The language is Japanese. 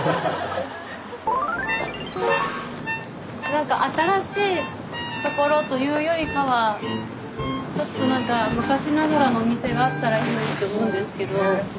なんか新しいところというよりかはちょっとなんか昔ながらのお店があったらいいのにって思うんですけど。